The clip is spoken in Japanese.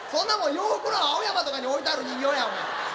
「洋服の青山」とかに置いてある人形やお前。